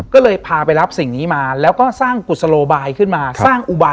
ก็เลยพาไปรับสิ่งนี้มาแล้วก็สร้างกุศโลบายขึ้นมา